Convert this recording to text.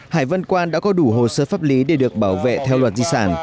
hải văn quân đã có đủ hồ sơ pháp lý để được bảo vệ theo luật di sản